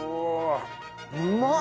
うまっ！